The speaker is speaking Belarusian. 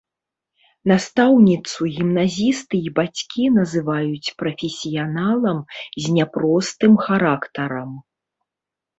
Настаўніцу гімназісты і бацькі называюць прафесіяналам з няпростым характарам.